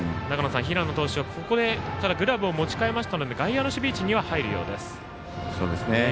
平野投手がグラブを持ち換えましたので外野の守備位置には入るようです。